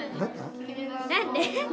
何で？